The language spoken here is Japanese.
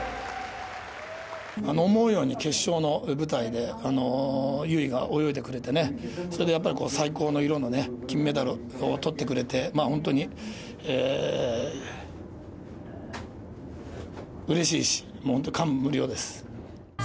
思うように決勝の舞台で、悠依が泳いでくれてね、それでやっぱり最高の色のね、金メダルをとってくれて、本当にうれしいし、本当、感無量です。